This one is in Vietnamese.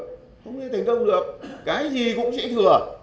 không thể thành công được cái gì cũng sẽ thừa